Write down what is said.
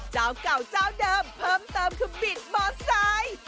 เจ้าเก่าเจ้าเดิมเพิ่มเติมคือบิดมอไซค์